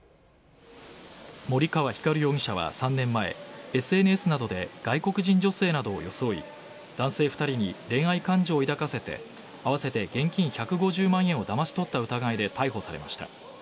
森川光容疑者は３年前ＳＮＳなどで外国人女性などを装い男性２人に恋愛感情を抱かせて合わせて現金１５０万円をだまし取った疑いで逮捕されました。